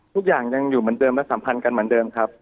ทุกอย่างยังอยู่เหมือนเดิมและสัมพันธ์กันเหมือนเดิมครับ